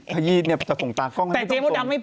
ถ้ายี่เนี่ยจะส่งตากล้องให้ไม่ต้องส่ง